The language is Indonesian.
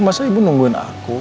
masa ibu nungguin aku